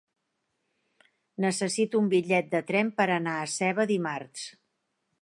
Necessito un bitllet de tren per anar a Seva dimarts.